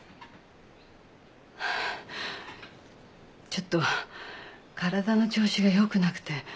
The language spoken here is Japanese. ちょっと体の調子がよくなくて。